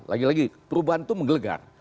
lagi lagi perubahan itu menggelegar